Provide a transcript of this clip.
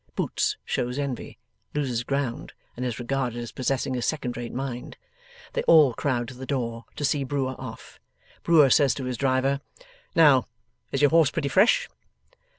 Boots shows envy, loses ground, and is regarded as possessing a second rate mind. They all crowd to the door, to see Brewer off. Brewer says to his driver, 'Now, is your horse pretty fresh?